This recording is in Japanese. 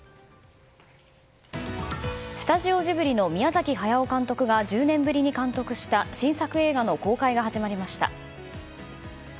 スタジオジブリの宮崎駿監督が１０年ぶりに監督した新作映画の公開が始まりました。